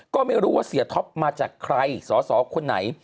ก็ไม่รู้ว่าเสียท็อปมาจากใครสอสอคนไหน